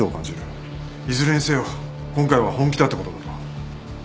いずれにせよ今回は本気だってことだろう。